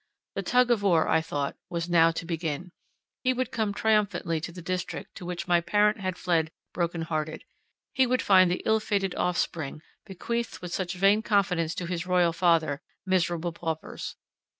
The tug of war, I thought, was now to begin. He would come triumphantly to the district to which my parent had fled broken hearted; he would find the ill fated offspring, bequeathed with such vain confidence to his royal father, miserable paupers.